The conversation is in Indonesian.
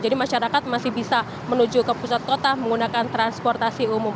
masyarakat masih bisa menuju ke pusat kota menggunakan transportasi umum